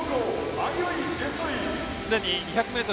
すでに２００ｍ